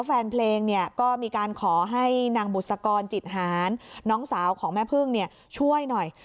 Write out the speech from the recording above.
แฟนเพลงเนี่ยก็มีการขอให้นางบุษกรจิตหารน้องสาวของแม่พึ่งช่วยหน่อย